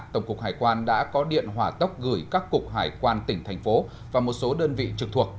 tổng cục hải quan đã có điện hỏa tốc gửi các cục hải quan tỉnh thành phố và một số đơn vị trực thuộc